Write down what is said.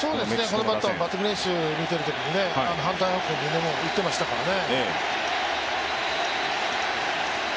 このバッターバッティング練習見てたら反対方向でも打ってましたからね。